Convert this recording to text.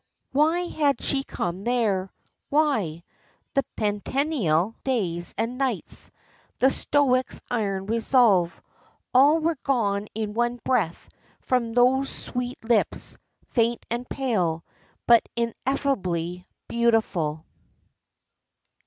Why had she come there? Why? The penitential days and nights, the stoic's iron resolve, all were gone in one breath from those sweet lips, faint and pale, but ineffably beautiful.